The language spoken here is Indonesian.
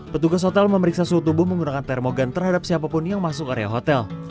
petugas hotel memeriksa suhu tubuh menggunakan termogan terhadap siapapun yang masuk area hotel